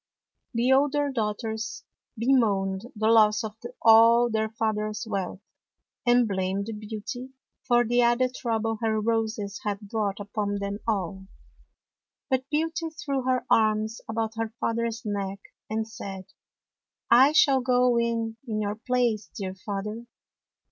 The older daughters bemoaned the loss of all their father's wealth, and blamed Beauty [ 82 ] BEAUTY AND THE BEAST for the added trouble her roses had brought upon them all. But Beauty threw her arms about her father's neck, and said, " I shall go in your place, dear Father."